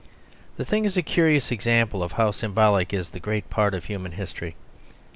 The thing is a curious example of how symbolic is the great part of human history.